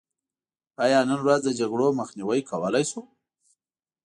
آیا نن ورځ د جګړو مخنیوی کولی شو؟